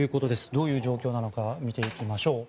どういう状況なのか見ていきましょう。